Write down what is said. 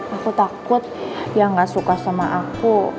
aku takut dia gak suka sama aku